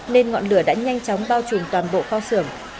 nên ngọn lửa đã nhanh chóng bao trùm toàn bộ kho xưởng